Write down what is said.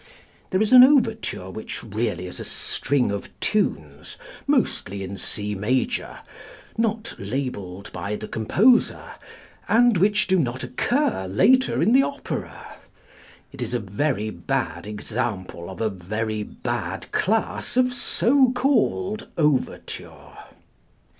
There is an overture which is really a string of tunes, mostly in C major, not labelled by the composer, and which do not occur later in the opera. It is a very bad example of a very bad class of so called overture.